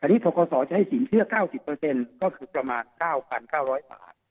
อันนี้ทกศจะให้สินเชื่อ๙๐ก็คือประมาณ๙๙๐๐บาท